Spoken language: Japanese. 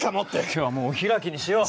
今日はもうお開きにしよう。